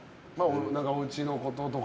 おうちのこととか。